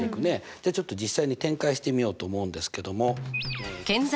じゃあちょっと実際に展開してみようと思うんですけども。